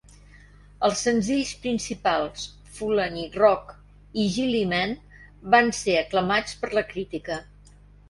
Els senzills principals, "Fulani Rock" i "Gilli Men" van ser aclamats per la crítica.